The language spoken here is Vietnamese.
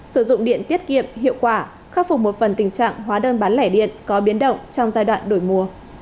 sử dụng điện tiết kiệm hiệu quả khắc phục một phần tình trạng hóa đơn bán lẻ điện có biến động trong giai đoạn đổi mùa